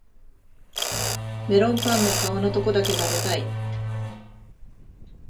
メロンパンの皮のとこだけ食べたい